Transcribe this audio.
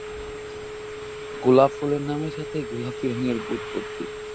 গোলাপ ফুলের নামের সাথেই গোলাপি রঙের ব্যুৎপত্তি।